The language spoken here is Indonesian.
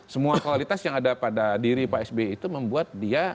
semua kualitas yang ada pada diri pak sby itu membuat dia